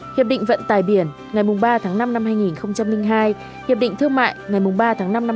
hiệp định vận tài biển ngày ba tháng năm năm hai nghìn hai hiệp định thương mại ngày ba tháng năm năm hai nghìn hai mươi